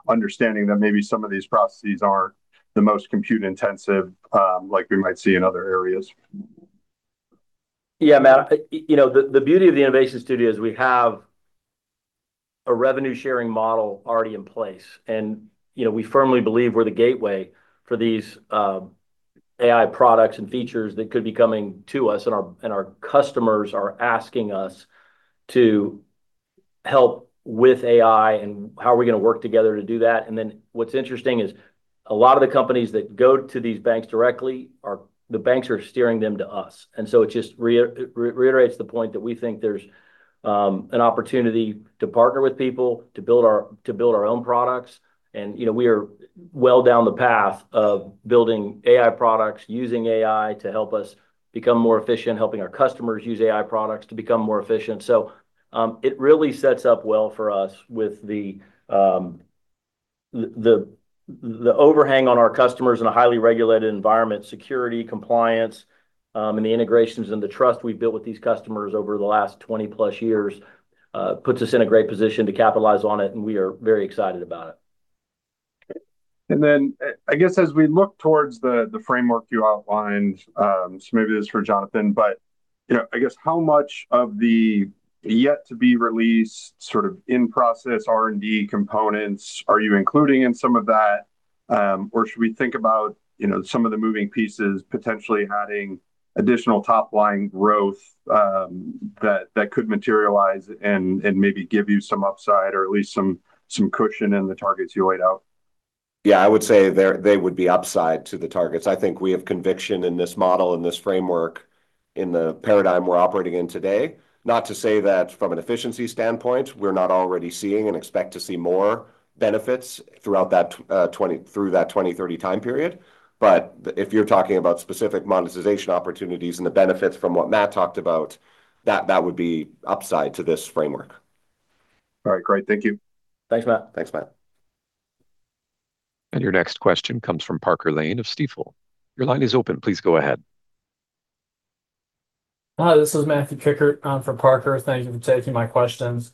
understanding that maybe some of these processes aren't the most compute-intensive like we might see in other areas? Yeah, Matt. The beauty of the Innovation Studio is we have a revenue-sharing model already in place. We firmly believe we're the gateway for these AI products and features that could be coming to us, and our customers are asking us to help with AI, and how are we going to work together to do that? Then what's interesting is a lot of the companies that go to these banks directly, the banks are steering them to us. So it just reiterates the point that we think there's an opportunity to partner with people to build our own products. We are well down the path of building AI products, using AI to help us become more efficient, helping our customers use AI products to become more efficient. It really sets up well for us with the overhang on our customers in a highly regulated environment, security, compliance, and the integrations and the trust we've built with these customers over the last 20+ years puts us in a great position to capitalize on it. We are very excited about it. And then I guess as we look towards the framework you outlined, so maybe this is for Jonathan, but I guess how much of the yet-to-be-released, sort of in-process R&D components are you including in some of that? Or should we think about some of the moving pieces, potentially adding additional top-line growth that could materialize and maybe give you some upside or at least some cushion in the targets you laid out? Yeah, I would say they would be upside to the targets. I think we have conviction in this model and this framework in the paradigm we're operating in today. Not to say that from an efficiency standpoint, we're not already seeing and expect to see more benefits through that 2030 time period. But if you're talking about specific monetization opportunities and the benefits from what Matt talked about, that would be upside to this framework. All right. Great. Thank you. Thanks, Matt. Thanks, Matt. And your next question comes from Parker Lane of Stifel. Your line is open. Please go ahead. Hi. This is Matthew Kikkert from Stifel. Thank you for taking my questions.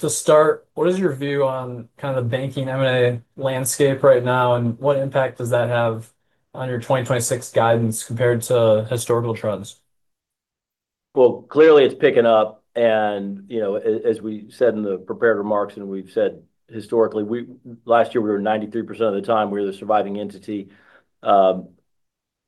To start, what is your view on kind of the banking M&A landscape right now, and what impact does that have on your 2026 guidance compared to historical trends? Well, clearly, it's picking up. And as we said in the prepared remarks, and we've said historically, last year, we were 93% of the time. We were the surviving entity.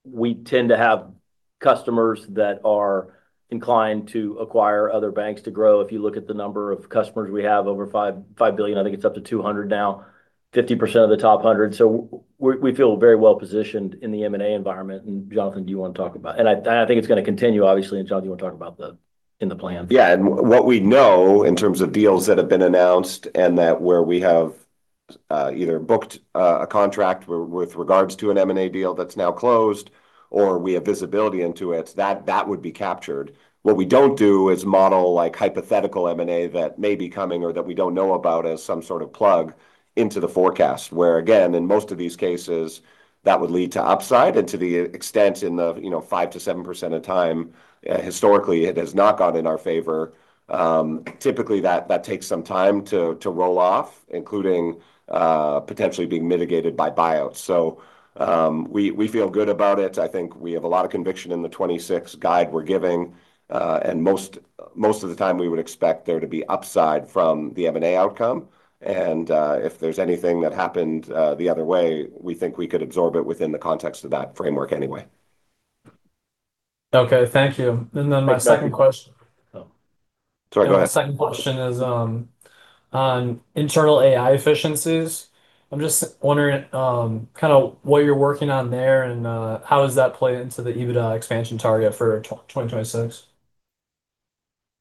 We tend to have customers that are inclined to acquire other banks to grow. If you look at the number of customers we have, over $5 billion, I think it's up to 200 now, 50% of the top 100. So we feel very well positioned in the M&A environment. And Jonathan, do you want to talk about and I think it's going to continue, obviously. And Jonathan, do you want to talk about the in the plan? Yeah. And what we know in terms of deals that have been announced and where we have either booked a contract with regards to an M&A deal that's now closed or we have visibility into it, that would be captured. What we don't do is model hypothetical M&A that may be coming or that we don't know about as some sort of plug into the forecast, where, again, in most of these cases, that would lead to upside. And to the extent in the 5%-7% of time, historically, it has not gone in our favor, typically, that takes some time to roll off, including potentially being mitigated by buyouts. So we feel good about it. I think we have a lot of conviction in the 2026 guide we're giving. And most of the time, we would expect there to be upside from the M&A outcome. If there's anything that happened the other way, we think we could absorb it within the context of that framework anyway. Okay. Thank you. And then my second question. Sorry. Go ahead. My second question is on internal AI efficiencies. I'm just wondering kind of what you're working on there and how does that play into the EBITDA expansion target for 2026?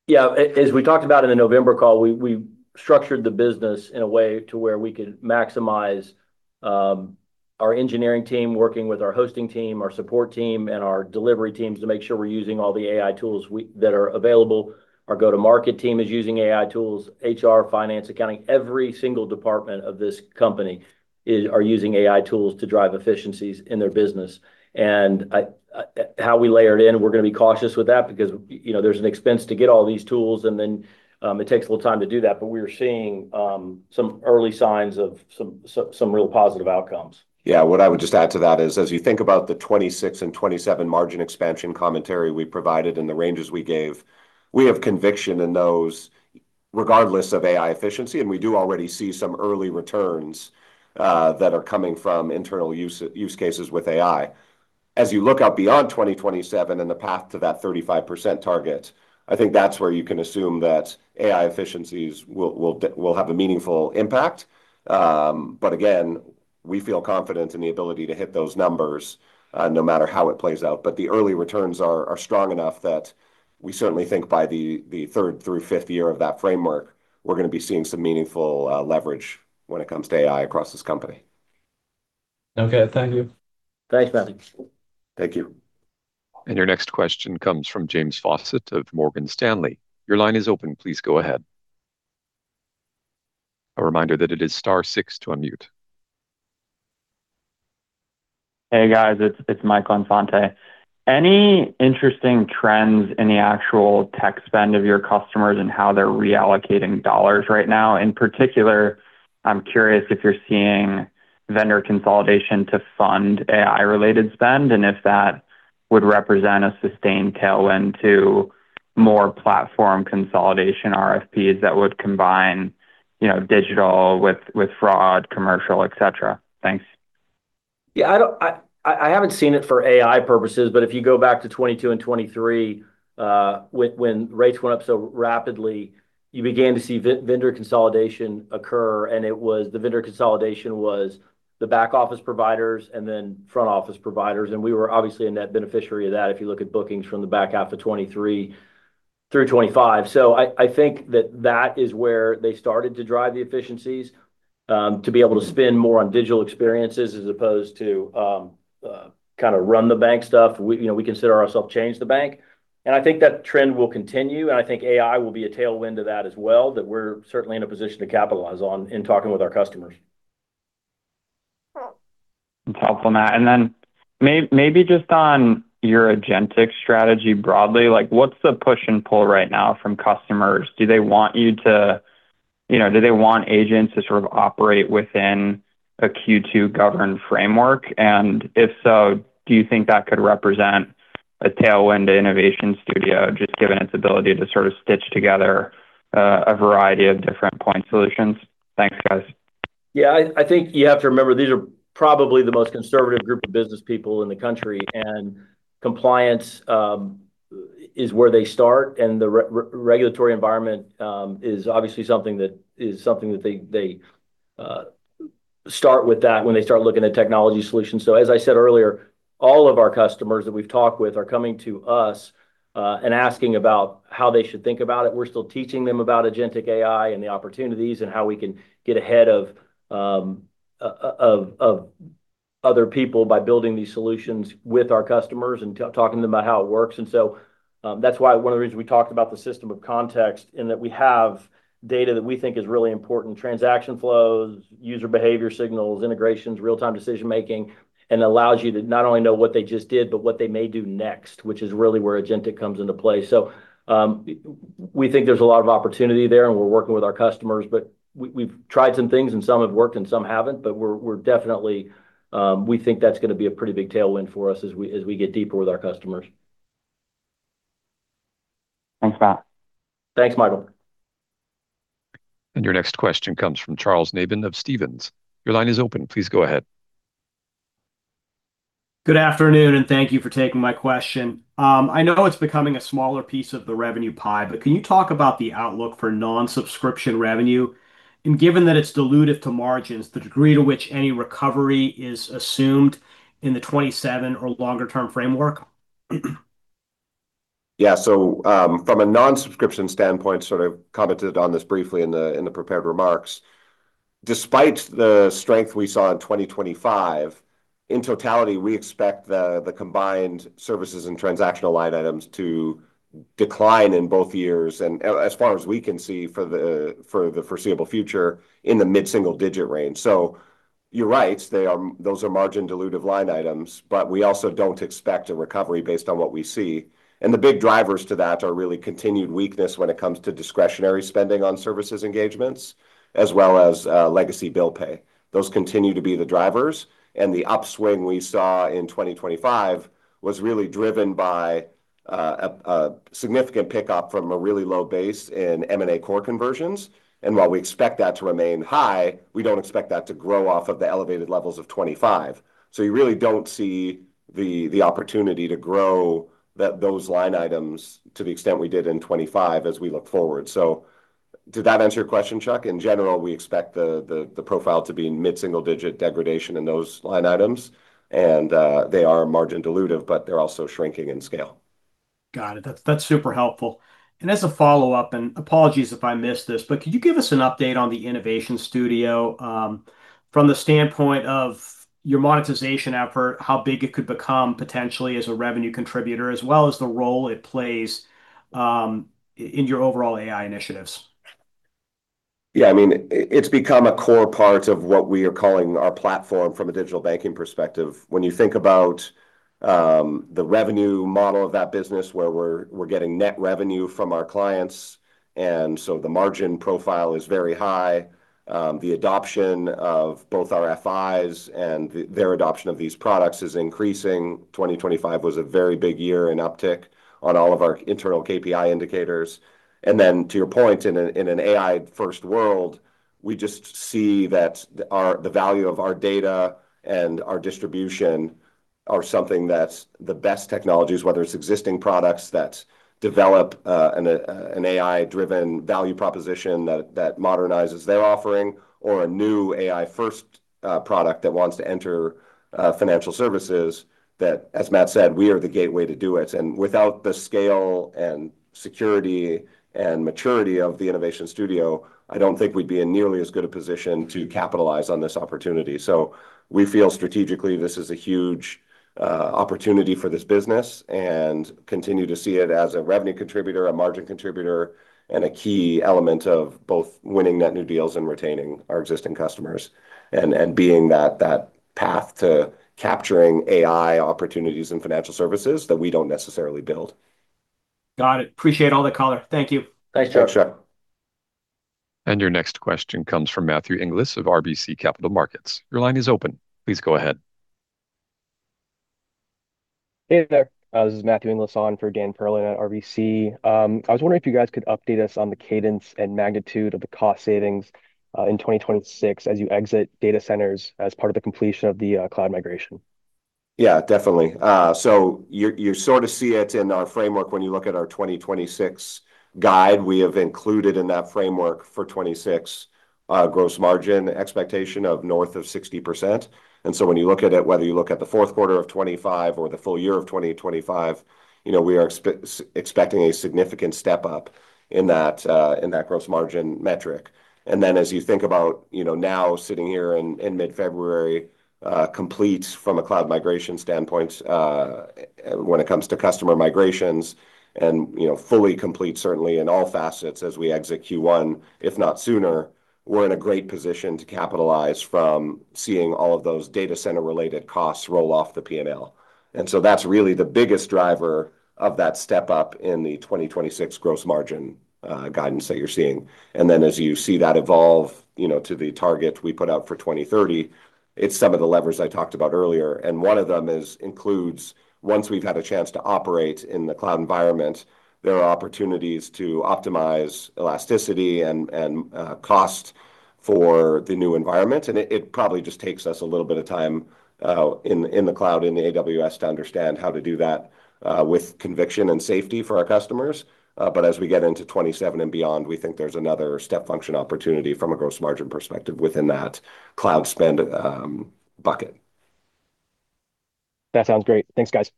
Yeah. As we talked about in the November call, we structured the business in a way to where we could maximize our engineering team working with our hosting team, our support team, and our delivery teams to make sure we're using all the AI tools that are available. Our go-to-market team is using AI tools. HR, finance, accounting, every single department of this company are using AI tools to drive efficiencies in their business. And how we layered in, we're going to be cautious with that because there's an expense to get all these tools, and then it takes a little time to do that. But we are seeing some early signs of some real positive outcomes. Yeah. What I would just add to that is, as you think about the 2026 and 2027 margin expansion commentary we provided and the ranges we gave, we have conviction in those regardless of AI efficiency. And we do already see some early returns that are coming from internal use cases with AI. As you look out beyond 2027 and the path to that 35% target, I think that's where you can assume that AI efficiencies will have a meaningful impact. But again, we feel confident in the ability to hit those numbers no matter how it plays out. But the early returns are strong enough that we certainly think by the third through fifth year of that framework, we're going to be seeing some meaningful leverage when it comes to AI across this company. Okay. Thank you. Thanks, Matthew. Thank you. Your next question comes from James Fawcett of Morgan Stanley. Your line is open. Please go ahead. A reminder that it is star six to unmute. Hey, guys. It's Mike Infante. Any interesting trends in the actual tech spend of your customers and how they're reallocating dollars right now? In particular, I'm curious if you're seeing vendor consolidation to fund AI-related spend and if that would represent a sustained tailwind to more platform consolidation RFPs that would combine digital with fraud, commercial, etc. Thanks. Yeah. I haven't seen it for AI purposes, but if you go back to 2022 and 2023, when rates went up so rapidly, you began to see vendor consolidation occur. And the vendor consolidation was the back-office providers and then front-office providers. And we were obviously a net beneficiary of that if you look at bookings from the back half of 2023 through 2025. So I think that that is where they started to drive the efficiencies to be able to spend more on digital experiences as opposed to kind of run the bank stuff. We consider ourselves changed the bank. And I think that trend will continue. And I think AI will be a tailwind to that as well, that we're certainly in a position to capitalize on in talking with our customers. That's helpful, Matt. And then maybe just on your agentic strategy broadly, what's the push and pull right now from customers? Do they want you to? Do they want agents to sort of operate within a Q2 governed framework? And if so, do you think that could represent a tailwind to Innovation Studio just given its ability to sort of stitch together a variety of different point solutions? Thanks, guys. Yeah. I think you have to remember these are probably the most conservative group of business people in the country. Compliance is where they start. The regulatory environment is obviously something that they start with when they start looking at technology solutions. So as I said earlier, all of our customers that we've talked with are coming to us and asking about how they should think about it. We're still teaching them about agentic AI and the opportunities and how we can get ahead of other people by building these solutions with our customers and talking to them about how it works. And so that's why one of the reasons we talked about the system of context in that we have data that we think is really important, transaction flows, user behavior signals, integrations, real-time decision-making, and allows you to not only know what they just did but what they may do next, which is really where agentic comes into play. So we think there's a lot of opportunity there, and we're working with our customers. But we've tried some things, and some have worked and some haven't. But we think that's going to be a pretty big tailwind for us as we get deeper with our customers. Thanks, Matt. Thanks, Michael. Your next question comes from Charles Nabhan of Stephens. Your line is open. Please go ahead. Good afternoon, and thank you for taking my question. I know it's becoming a smaller piece of the revenue pie, but can you talk about the outlook for non-subscription revenue? Given that it's diluted to margins, the degree to which any recovery is assumed in the 2027 or longer-term framework? Yeah. So from a non-subscription standpoint, sort of commented on this briefly in the prepared remarks, despite the strength we saw in 2025, in totality, we expect the combined services and transactional line items to decline in both years, as far as we can see for the foreseeable future, in the mid-single-digit range. So you're right. Those are margin-dilutive line items, but we also don't expect a recovery based on what we see. And the big drivers to that are really continued weakness when it comes to discretionary spending on services engagements as well as legacy bill pay. Those continue to be the drivers. And the upswing we saw in 2025 was really driven by a significant pickup from a really low base in M&A core conversions. And while we expect that to remain high, we don't expect that to grow off of the elevated levels of 2025. So you really don't see the opportunity to grow those line items to the extent we did in 2025 as we look forward. So did that answer your question, Chuck? In general, we expect the profile to be in mid-single-digit degradation in those line items. And they are margin-dilutive, but they're also shrinking in scale. Got it. That's super helpful. As a follow-up, and apologies if I missed this, but could you give us an update on the Innovation Studio from the standpoint of your monetization effort, how big it could become potentially as a revenue contributor, as well as the role it plays in your overall AI initiatives? Yeah. I mean, it's become a core part of what we are calling our platform from a digital banking perspective. When you think about the revenue model of that business where we're getting net revenue from our clients, and so the margin profile is very high, the adoption of both our FIs and their adoption of these products is increasing. 2025 was a very big year in uptick on all of our internal KPI indicators. And then to your point, in an AI-first world, we just see that the value of our data and our distribution are something that's the best technologies, whether it's existing products that develop an AI-driven value proposition that modernizes their offering or a new AI-first product that wants to enter financial services that, as Matt said, we are the gateway to do it. Without the scale and security and maturity of the Innovation Studio, I don't think we'd be in nearly as good a position to capitalize on this opportunity. We feel strategically, this is a huge opportunity for this business and continue to see it as a revenue contributor, a margin contributor, and a key element of both winning net new deals and retaining our existing customers and being that path to capturing AI opportunities and financial services that we don't necessarily build. Got it. Appreciate all that color. Thank you. Thanks, Chuck. Chuck, sure. Your next question comes from Matthew Inglis of RBC Capital Markets. Your line is open. Please go ahead. Hey there. This is Matthew Inglis on for Dan Perlin at RBC. I was wondering if you guys could update us on the cadence and magnitude of the cost savings in 2026 as you exit data centers as part of the completion of the cloud migration. Yeah, definitely. So you sort of see it in our framework when you look at our 2026 guide. We have included in that framework for 2026 gross margin expectation of north of 60%. And so when you look at it, whether you look at the fourth quarter of 2025 or the full year of 2025, we are expecting a significant step up in that gross margin metric. And then as you think about now sitting here in mid-February, complete from a cloud migration standpoint when it comes to customer migrations and fully complete, certainly, in all facets as we exit Q1, if not sooner, we're in a great position to capitalize from seeing all of those data center-related costs roll off the P&L. And so that's really the biggest driver of that step up in the 2026 gross margin guidance that you're seeing. Then as you see that evolve to the target we put out for 2030, it's some of the levers I talked about earlier. One of them includes, once we've had a chance to operate in the cloud environment, there are opportunities to optimize elasticity and cost for the new environment. It probably just takes us a little bit of time in the cloud, in the AWS, to understand how to do that with conviction and safety for our customers. But as we get into 2027 and beyond, we think there's another step function opportunity from a gross margin perspective within that cloud spend bucket. That sounds great. Thanks, guys.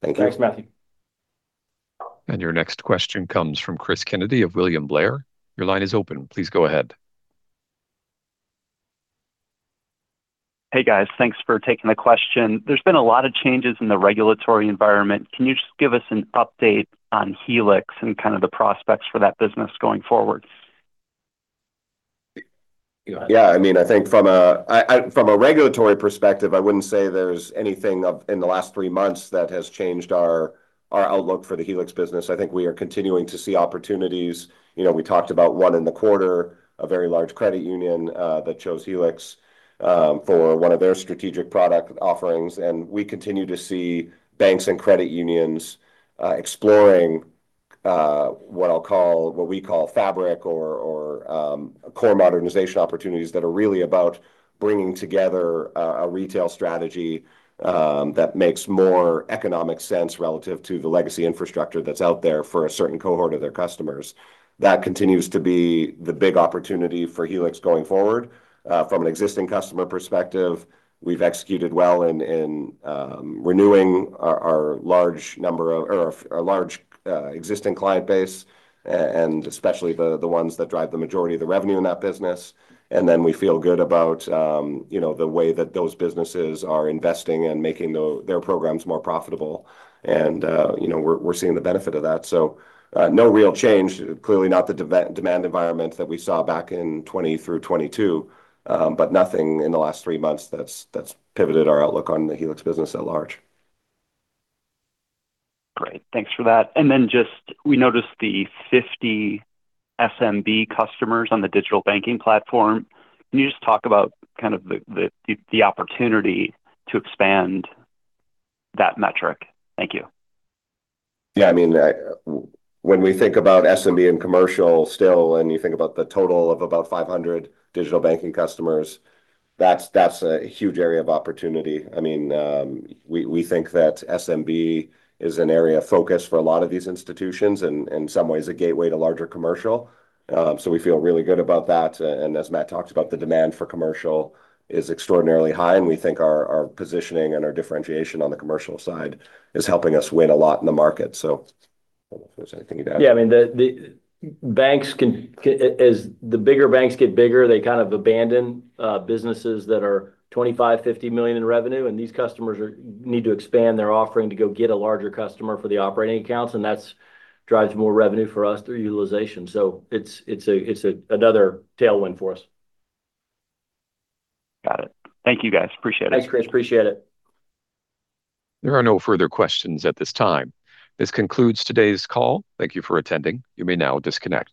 Thank you. Thanks, Matthew. Your next question comes from Chris Kennedy of William Blair. Your line is open. Please go ahead. Hey, guys. Thanks for taking the question. There's been a lot of changes in the regulatory environment. Can you just give us an update on Helix and kind of the prospects for that business going forward? Yeah. I mean, I think from a regulatory perspective, I wouldn't say there's anything in the last three months that has changed our outlook for the Helix business. I think we are continuing to see opportunities. We talked about one in the quarter, a very large credit union that chose Helix for one of their strategic product offerings. And we continue to see banks and credit unions exploring what we call fabric or core modernization opportunities that are really about bringing together a retail strategy that makes more economic sense relative to the legacy infrastructure that's out there for a certain cohort of their customers. That continues to be the big opportunity for Helix going forward. From an existing customer perspective, we've executed well in renewing our large existing client base, and especially the ones that drive the majority of the revenue in that business. And then we feel good about the way that those businesses are investing and making their programs more profitable. And we're seeing the benefit of that. So no real change, clearly not the demand environment that we saw back in 2020 through 2022, but nothing in the last three months that's pivoted our outlook on the Helix business at large. Great. Thanks for that. And then just we noticed the 50 SMB customers on the Digital Banking Platform. Can you just talk about kind of the opportunity to expand that metric? Thank you. Yeah. I mean, when we think about SMB and commercial still, and you think about the total of about 500 digital banking customers, that's a huge area of opportunity. I mean, we think that SMB is an area of focus for a lot of these institutions and in some ways a gateway to larger commercial. So we feel really good about that. And as Matt talked about, the demand for commercial is extraordinarily high. And we think our positioning and our differentiation on the commercial side is helping us win a lot in the market. So I don't know if there's anything you'd add. Yeah. I mean, as the bigger banks get bigger, they kind of abandon businesses that are $25 million-$50 million in revenue. And these customers need to expand their offering to go get a larger customer for the operating accounts. And that drives more revenue for us through utilization. So it's another tailwind for us. Got it. Thank you, guys. Appreciate it. Thanks, Chris. Appreciate it. There are no further questions at this time. This concludes today's call. Thank you for attending. You may now disconnect.